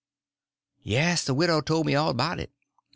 "Yes, the widow told me all about it."